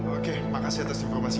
oke makasih atas informasi